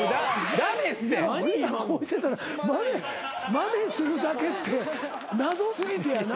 まねするだけって謎過ぎてやな。